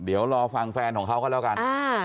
เดี๋ยวรอฟังแฟนของเขาก็แล้วกัน